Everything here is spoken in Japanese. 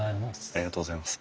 ありがとうございます。